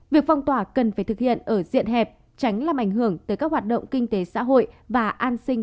việc phong tỏa cần phải thực hiện ở diện hẹp tránh làm ảnh hưởng tới các hoạt động kinh tế xã hội và an sinh